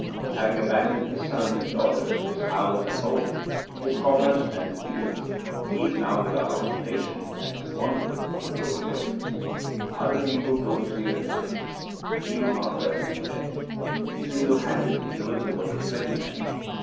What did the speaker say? Having abandoned his sons and daughters, his house and home, his commerce and his dealings, he is now without occupation, and wandereth from door to door. Other people go to 1 Capparis aphylla, the wild caper tree. LIFE OF GURU ANGAD 43 sleep at night, but he will not rest even then. Single handed he doeth the work of twenty men.